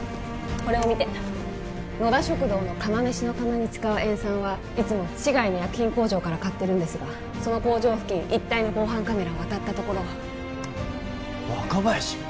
これを見て野田食堂の釜飯の釜に使う塩酸はいつも市外の薬品工場から買ってるんですがその工場付近一帯の防犯カメラを当たったところ若林！？